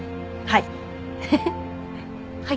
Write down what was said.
はい。